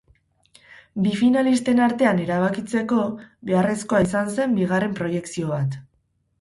Bi finalisten artean erabakitzeko, beharrezkoa izan zen bigarren proiekzio bat.